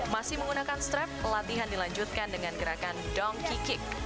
masih menggunakan strap pelatihan dilanjutkan dengan gerakan donkey kick